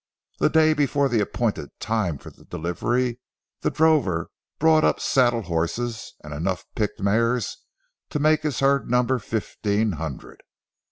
The day before the appointed time for the delivery, the drover brought up saddle horses and enough picked mares to make his herd number fifteen hundred.